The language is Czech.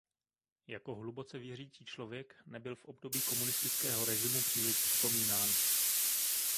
Jako hluboce věřící člověk nebyl v období komunistického režimu příliš připomínán.